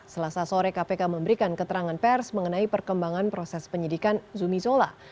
selasa sore kpk memberikan keterangan pers mengenai perkembangan proses penyidikan zumi zola